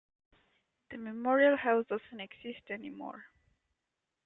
The memorial house doesn't exist anymore.